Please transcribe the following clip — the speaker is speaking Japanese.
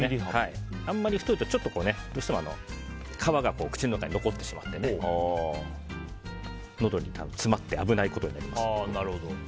あんまり太いと、どうしても皮が口の中に残ってしまってのどに詰まって危ないことになりますので。